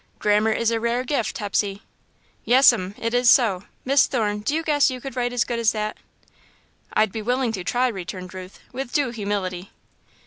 "Grammar is a rare gift, Hepsey." "Yes'm, 't is so. Miss Thorne, do you guess you could write as good as that?" "I'd be willing to try," returned Ruth, with due humility.